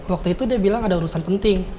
waktu itu dia bilang ada urusan penting